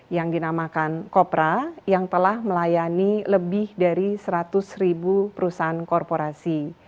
yang dinamakan kopra yang telah melayani lebih dari seratus ribu perusahaan korporasi